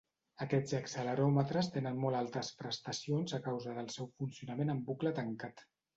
Aquests acceleròmetres tenen molt altes prestacions a causa del seu funcionament en bucle tancat.